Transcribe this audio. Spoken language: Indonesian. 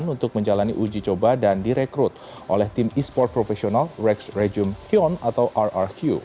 untuk menjalani uji coba dan direkrut oleh tim esports profesional rek's regium hyon atau rrq